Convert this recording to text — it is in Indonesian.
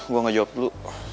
gue nggak jawab dulu